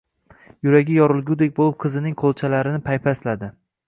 Yuragi yorilgudek bo`lib qizining qo`lchalarini paypasladi